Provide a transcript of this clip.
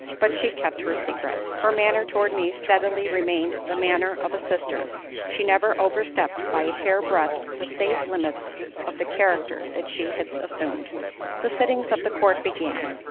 But she kept her secret. Her manner toward me steadily remained the manner of a sister; she never overstepped by a hair breadth the safe limits of the character that she had assumed. The sittings of the court began.